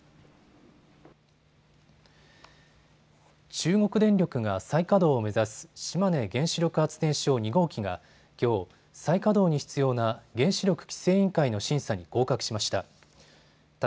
中国電力が再稼働を目指す島根原子力発電所２号機がきょう、再稼働に必要な原子力規制委員会の審査に合格しました。